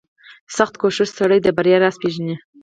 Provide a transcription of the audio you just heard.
• سختکوش سړی د بریا راز پېژني.